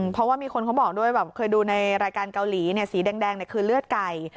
เพราะว่ามีคนเขาบอกด้วยแบบเคยดูในรายการเกาหลีสีแดงคือเลือดไก่